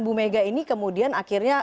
bumega ini kemudian akhirnya